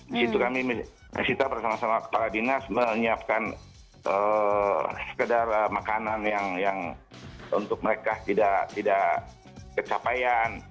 di situ kami kita bersama sama kepala dinas menyiapkan sekedar makanan yang untuk mereka tidak kecapaian